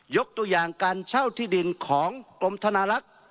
ยกตัวอย่างการเช่าที่ดินของกรมธนาลักษณ์